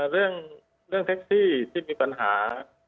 เรื่องแท็กซี่ที่มีปัญหา